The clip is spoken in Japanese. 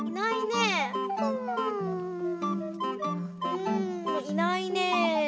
うんいないね。